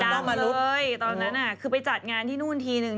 ดังเลยตอนนั้นน่ะคือไปจัดงานที่นู้นทีนึง